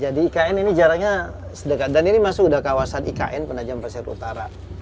ikn ini jaraknya sedekat dan ini masuk ke kawasan ikn penajam pasir utara